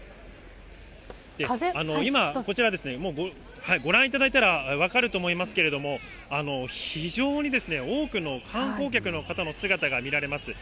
今、こちらですね、ご覧いただいたら分かると思いますけれども、非常にですね、多くの観光客の方の姿が見られます。